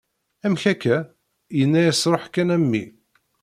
Amek akka? Yenna-as ruḥ kan a mmi.